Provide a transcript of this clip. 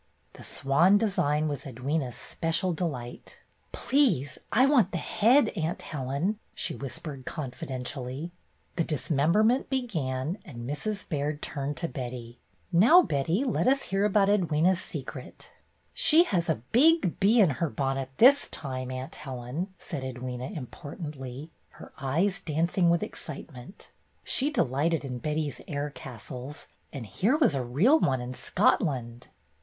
The swan design was Edwyna's special delight. "Please, I want the head. Aunt Helen," she whispered confidentially. The dismemberment began, and Mrs. Baird turned to Betty. 1 6 BETTY BAIRD'S GOLDEN YEAR "Now, Betty, let us hear about Edwyna's secret." "She has a big bee in her bonnet this time. Aunt Helen," said Edwyna, importantly, her eyes dancing with excitement. She delighted in Betty's air castles, and here was a real one in Scotland.